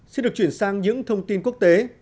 xin được chuyển sang những thông tin quốc tế